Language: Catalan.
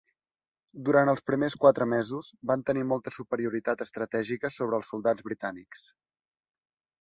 Durant els primers quatre mesos van tenir molta superioritat estratègica sobre els soldats britànics.